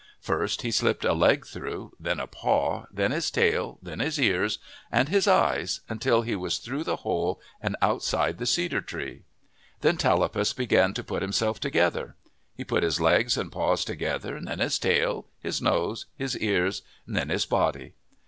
First he slipped a leg through, then a paw, then his tail, then his ears, and his eyes, until he was through the hole, and out side the cedar tree. Then Tallapus began to put himself together. He put his legs and paws to gether, then his tail, his nose, his ears, then his body.